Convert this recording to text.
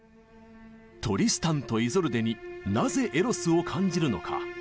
「トリスタンとイゾルデ」になぜエロスを感じるのか。